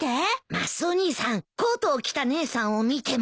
マスオ兄さんコートを着た姉さんを見ても。